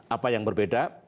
apa yang berbeda